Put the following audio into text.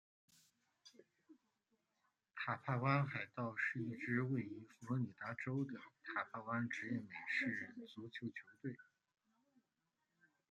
坦帕湾海盗是一支位于佛罗里达州的坦帕湾职业美式足球球队。